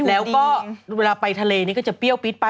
แล้วก็เวลาไปทะเลนี่ก็จะเปรี้ยวปี๊ดไป